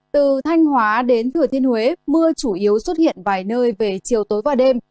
từ thanh hóa đến thừa thiên huế mưa chủ yếu xuất hiện vài nơi về chiều tối và đêm